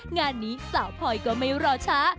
งานนี้สาวพลอยก็ไม่รอช้า